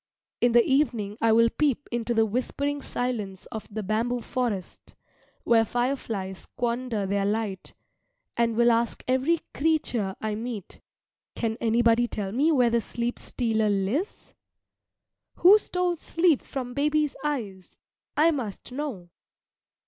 In the evening I will peep into the whispering silence of the bamboo forest, where fireflies squander their light, and will ask every creature I meet, "Can anybody tell me where the Sleep stealer lives?" Who stole sleep from baby's eyes? I must know.